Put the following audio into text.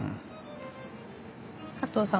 加藤さん